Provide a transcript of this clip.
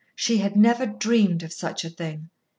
She had never dreamed of such a thing.